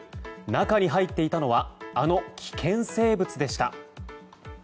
中に入っていたのはあの危険生物でした。